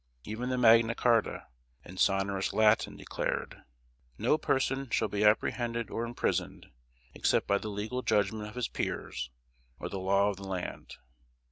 Even the Magna Charta, in sonorous Latin, declared: "No person shall be apprehended or imprisoned, except by the legal judgment of his peers, or the law of the land.